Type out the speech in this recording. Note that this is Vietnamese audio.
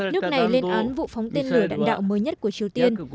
nước này lên án vụ phóng tên lửa đạn đạo mới nhất của triều tiên